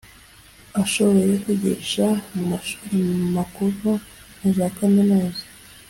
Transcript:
ashoboye kwigisha mu mashuri makuru na za kaminuza